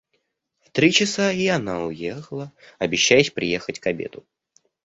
В три часа и она уехала, обещаясь приехать к обеду.